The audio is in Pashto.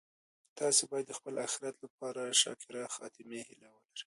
تاسي باید د خپل اخیرت لپاره د شاکره خاتمې هیله ولرئ.